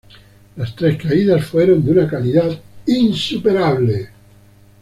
Las tres caídas fueron de una calidad insuperable.